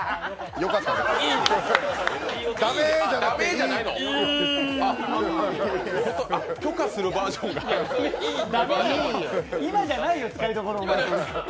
ダメーじゃなくて許可するバージョンが今じゃないよ、使いどころが。